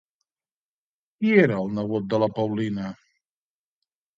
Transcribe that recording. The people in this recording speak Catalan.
Qui era el nebot de la Paulina?